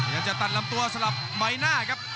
แล้วก็จะตัดลำตัวสำหรับไบหน้าครับ